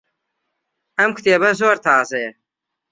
ئەم کتێبە زۆر تازەیە.